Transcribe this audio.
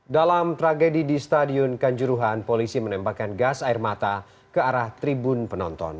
dalam tragedi di stadion kanjuruhan polisi menembakkan gas air mata ke arah tribun penonton